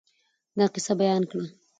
دا قصه بیان کړه.